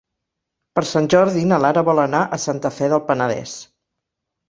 Per Sant Jordi na Lara vol anar a Santa Fe del Penedès.